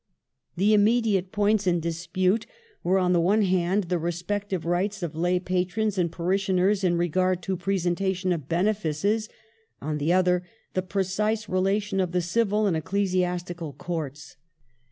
The immediate points in dispute were, on the one hand, the respective rights of la;^ patrons and parishioners in regard to presentation to benefices ; on the other the precise rela tion of the Civil and Ecclesiastical Courts.